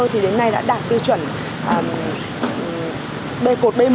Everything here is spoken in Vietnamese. thì đến nay đã đạt tiêu chuẩn b một